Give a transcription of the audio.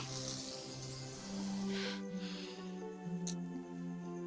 mau kecak apot kita